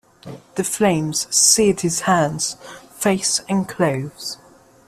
The flames seared his hands, face, and clothes.